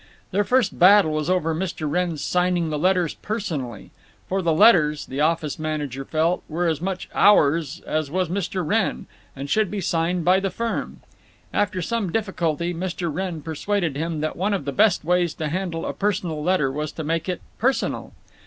Their first battle was over Mr. Wrenn's signing the letters personally; for the letters, the office manager felt, were as much Ours as was Mr. Wrenn, and should be signed by the firm. After some difficulty Mr. Wrenn persuaded him that one of the best ways to handle a personal letter was to make it personal.